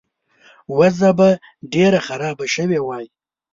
وضع به ډېره خرابه شوې وای.